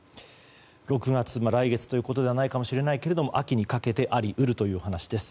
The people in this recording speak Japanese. ６月、来月ということではないかもしれないけれども秋にかけてあり得るということです。